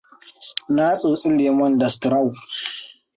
Na tsotsi lomen da straw.